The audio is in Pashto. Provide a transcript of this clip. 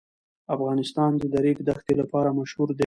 افغانستان د د ریګ دښتې لپاره مشهور دی.